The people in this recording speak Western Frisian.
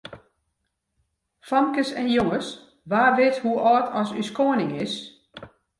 Famkes en jonges, wa wit hoe âld as ús koaning is?